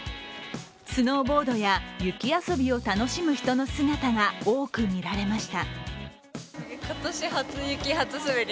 スノーボードや雪遊びを楽しむ人の姿が多く見られました。